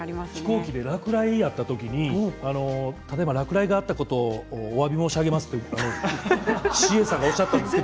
飛行機で落雷があった時に落雷があったことをおわび申し上げますとＣＡさんがおっしゃったんです。